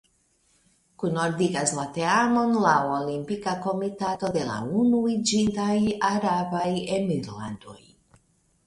Kunordigas la teamon la Olimpika Komitato de la Unuiĝintaj Arabaj Emirlandoj.